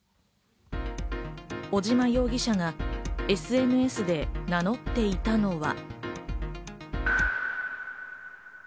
尾島容疑者がＳＮＳで名乗っていたのは。